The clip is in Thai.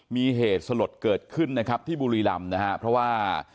มีเหตุสลดเกิดขึ้นนะครับที่บุรีรำนะฮะเพราะว่า